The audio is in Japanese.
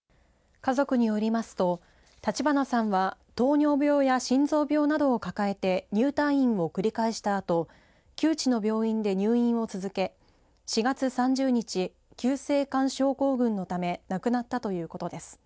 家族によりますと立花さんは糖尿病や心臓病などを抱えて入退院を繰り返したあと旧知の病院で入院を続け４月３０日急性冠症候群のため亡くなったということです。